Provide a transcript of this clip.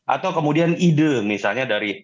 atau kemudian ide misalnya dari